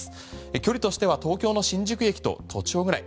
距離としては東京の新宿駅と都庁ぐらい。